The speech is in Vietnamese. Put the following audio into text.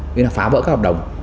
nghĩa là phá vỡ các hợp đồng